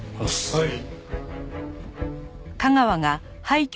はい。